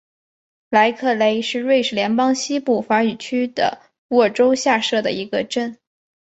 莱克雷是瑞士联邦西部法语区的沃州下设的一个镇。